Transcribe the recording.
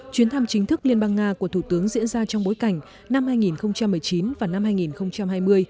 chuyến thăm chính thức liên bang nga của thủ tướng diễn ra trong bối cảnh năm hai nghìn một mươi chín và năm hai nghìn hai mươi